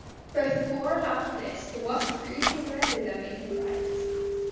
Both before and after this the Wasp cruised hither and thither making prizes.